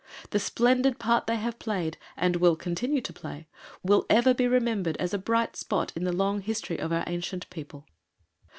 The splendid part they have played, and will continue to play, will ever be remembered as a bright spot in the long history of our ancient people.